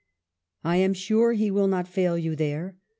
I am sure he will not fail you there.